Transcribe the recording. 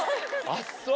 あっそう。